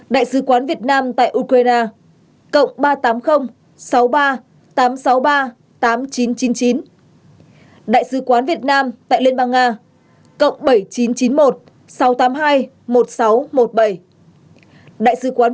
đại sứ quán việt nam tại romania